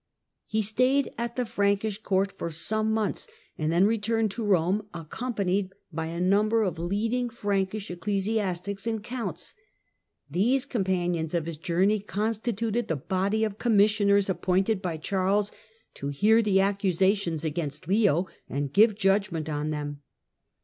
He stayed at the Prankish Court for some months, and then returned to Eome, ac companied by a number of leading Frankish ecclesiastics and counts. These companions of his journey consti tuted the body of commissioners appointed by Charles to hear the accusations against Leo and give judgment on them.